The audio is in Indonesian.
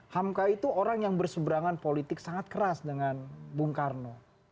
hamka itu orang yang berseberangan politik sangat keras dengan bung karno